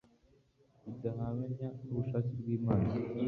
bidahamanya n'ubushake bw'imana